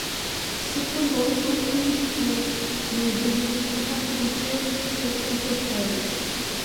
Cependant, aucune preuve n'est venue corroborer cette hypothèse.